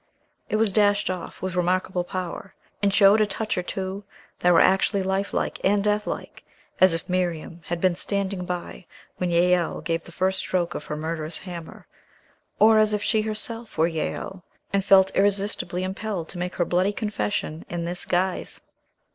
It was dashed off with remarkable power, and showed a touch or two that were actually lifelike and deathlike, as if Miriam had been standing by when Jael gave the first stroke of her murderous hammer, or as if she herself were Jael, and felt irresistibly impelled to make her bloody confession in this guise.